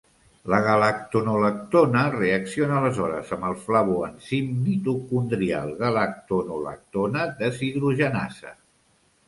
-La galactonolactona reacciona aleshores amb el flavoenzim mitocondrial -galactonolactona deshidrogenasa.